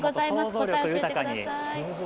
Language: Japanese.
想像力豊かに。